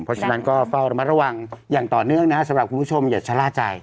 เพราะฉะนั้นก็เฝ้าระมัดระวังอย่างต่อเนื่องนะครับสำหรับคุณผู้ชมอย่าชะล่าใจ